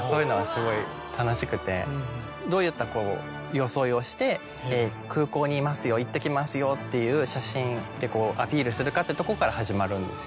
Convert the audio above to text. どういった装いをして空港にいますよ行ってきますよっていう写真でアピールするかってとこから始まるんですよ。